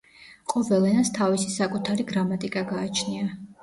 ყოველ ენას თავისი საკუთარი გრამატიკა გააჩნია.